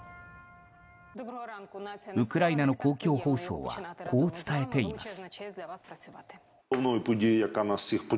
ウクライナの公共放送はこう伝えています。